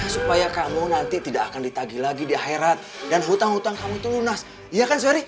supaya kamu nanti tidak akan ditagi lagi di akhirat dan hutang hutang kamu itu lunas iya kan sorry